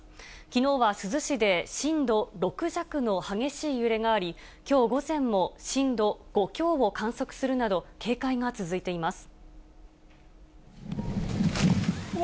きのうは珠洲市で震度６弱の激しい揺れがあり、きょう午前も震度５強を観測するなど、警戒が続いています。